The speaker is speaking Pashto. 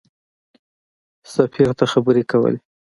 سفیر ته خبرې کولې.